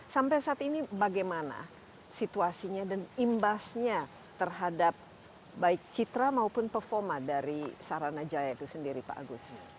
sampai saat ini bagaimana situasinya dan imbasnya terhadap baik citra maupun performa dari saranajaya itu sendiri pak agus